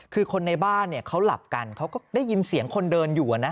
คือคนในบ้านเขาหลับกันเขาก็ได้ยินเสียงคนเดินอยู่นะ